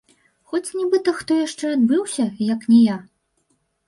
Хоць нібыта хто яшчэ адбыўся, як ні я?!